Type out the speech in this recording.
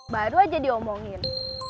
baru aja diomongin